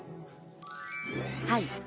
はい。